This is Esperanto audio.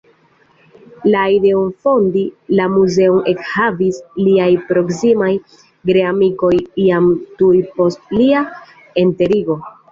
La ideon fondi la muzeon ekhavis liaj proksimaj geamikoj jam tuj post lia enterigo.